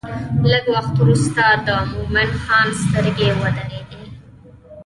لږ وخت وروسته د مومن خان سترګې ودرېدې.